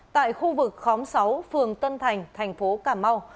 tại khu vực khóm sáu phường tân thành thành phố cà mau